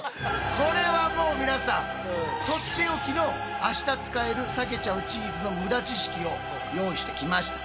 これはもう皆さんとっておきの明日使えるさけちゃうチーズのムダ知識を用意してきました。